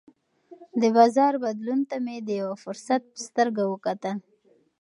د بازار بدلون ته مې د یوه فرصت په سترګه وکتل.